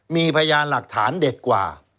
มีพยานหลักฐานเด็ดกว่า